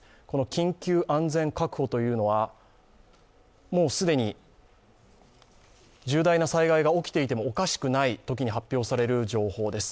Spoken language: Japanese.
緊急安全確保というのはもう既に重大な災害が起きていてもおかしくないときに発表される情報です。